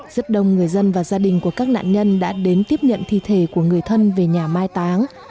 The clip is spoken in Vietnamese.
rất đông người dân và gia đình của các nạn nhân đã đến tiếp nhận thi thể của người thân về nhà mai táng